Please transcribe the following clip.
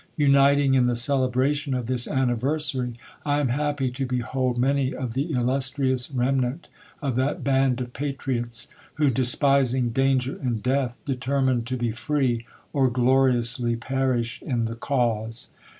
Uuiling in the celebration of this anniversary, I am happy to behold many of the illustrious remnant of that band of patriots, who, despising danger and death, determined to be free, or gloriously perish in the cause.